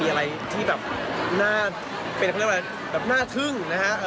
มีอะไรที่แบบเป็นอะไรแบบน่าทึ่งนะฮะ